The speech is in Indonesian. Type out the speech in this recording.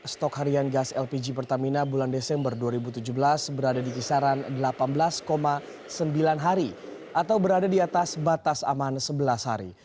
stok harian gas lpg pertamina bulan desember dua ribu tujuh belas berada di kisaran delapan belas sembilan hari atau berada di atas batas aman sebelas hari